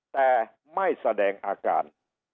แต่ไม่แสดงอาการ